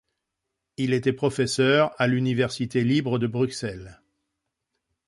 Il était professeur à l'Université libre de Bruxelles.